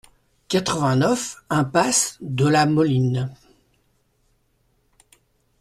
quatre-vingt-neuf impasse de la Moline